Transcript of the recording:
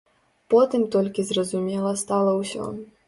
Потым толькі зразумела стала ўсё.